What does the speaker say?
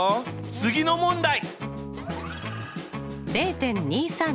次の問題！